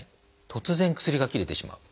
突然薬が切れてしまう。